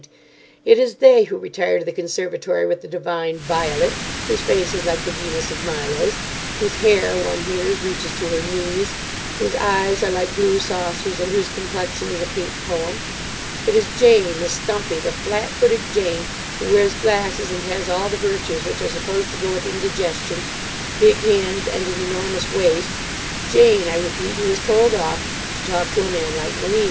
It is they who retire to the conservatory with the divine Violet, whose face is like the Venus of Milo's, whose hair (one hears) reaches to her knees, whose eyes are like blue saucers, and whose complexion is a pink poem. It is Jane, the stumpy, the flat footed—Jane, who wears glasses and has all the virtues which are supposed to go with indigestion: big hands and an enormous waist—Jane, I repeat, who is told off to talk to a man like Malim.